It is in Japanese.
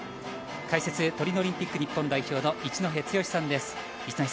解説トリノオリンピック日本代表の一戸剛さんです。